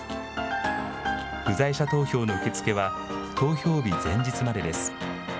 不在者投票の受け付けは、投票日前日までです。